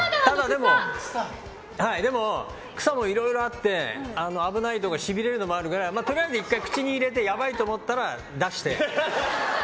でも、草もいろいろあって危ないとかしびれるのもあるからとりあえず１回、口に入れてやばいと思ったら出して。